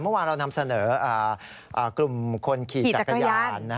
เมื่อวานเรานำเสนอกลุ่มคนขี่จักรยาน